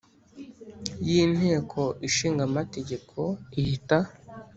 y’Inteko Ishinga Amategeko ihita